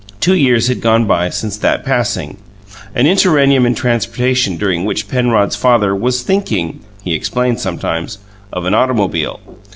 Two years had gone by since that passing; an interregnum in transportation during which Penrod's father was "thinking" (he explained sometimes) of an automobile.